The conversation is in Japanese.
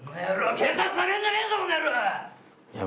警察ナメんじゃねえぞ！